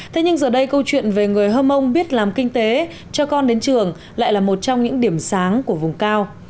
thế nhưng giờ đây câu chuyện về người hơm mông biết làm kinh tế cho con đến trường lại là một trong những điểm sáng của vùng cao